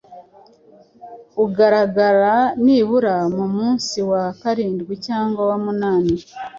ugaragara nibura ku munsi wa karindwi cyangwa wa munani